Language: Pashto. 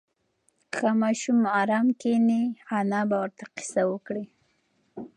که ماشوم ارام کښېني، انا به ورته قصه وکړي.